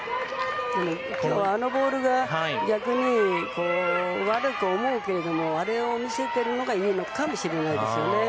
あのボールが逆に悪く思うけれどもあれを見せているのがいいかもしれないですね。